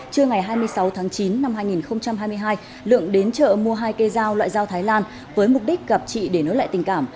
trưa ngày hai mươi sáu tháng chín năm hai nghìn hai mươi hai lượng đến chợ mua hai cây dao loại dao thái lan với mục đích gặp chị để nối lại tình cảm